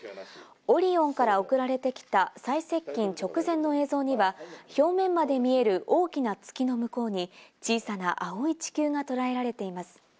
「オリオン」から送られてきた最接近直前の映像には表面まで見える大きな月の向こうに小さな青い地球がとらえられています。